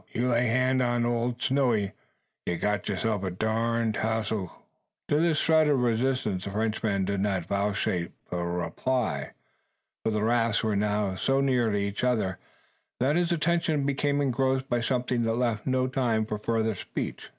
You lay hand on ole Snowy, you cotch de tarnel goss." To this threat of resistance the Frenchman did not vouchsafe reply: for the rafts were now so near to each other that his attention became engrossed by something that left no time for further speech.